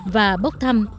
và bốc thăm